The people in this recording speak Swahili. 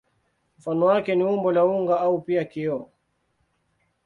Mfano wake ni umbo la unga au pia kioo.